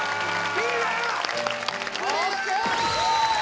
リーダー！